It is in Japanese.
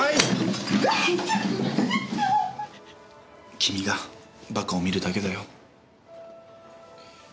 君がバカを見るだけだよ。